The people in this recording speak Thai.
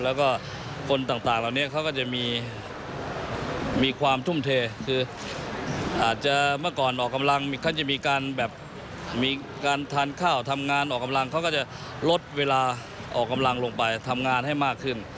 แล้วก็คนต่างเหล่านี้เขาก็จะมีความทุ่มเทคืออาจจะเมื่อก่อนออกกำลังเขาจะมีการแบบมีการทานข้าวทำงานออกกำลังเขาก็จะลดเวลาออกกำลังลงไปทำงานให้มากขึ้น